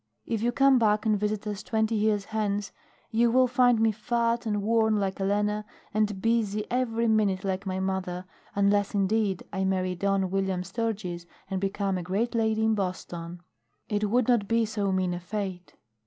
If you come back and visit us twenty years hence you will find me fat and worn like Elena, and busy every minute like my mother unless, indeed, I marry Don Weeliam Sturgis and become a great lady in Boston. It would not be so mean a fate."